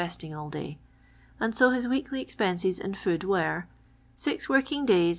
'sting all day, and so his weekly expenses in food were :— s.